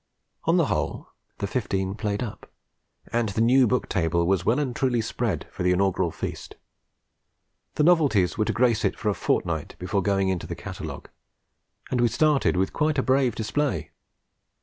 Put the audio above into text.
On the whole the fifteen played up, and the New Book Table was well and truly spread for the inaugural feast. The novelties were to grace it for a fortnight before going into the catalogue; and we started with quite a brave display.